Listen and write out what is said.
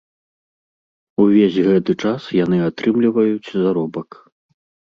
Увесь гэты час яны атрымліваюць заробак.